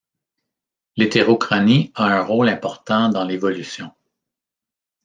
L’hétérochronie a un rôle important dans l’évolution.